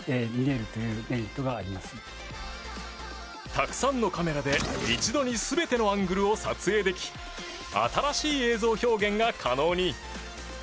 たくさんのカメラで一度に全てのアングルを撮影でき新しい映像表現が可能に。